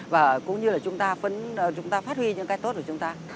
và cũng như là chúng ta phát huy những cái tốt của chúng ta